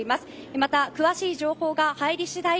また詳しい情報が入りしだい